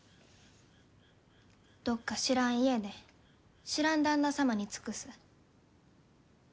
どっか知らん家で知らん旦那様に尽くす。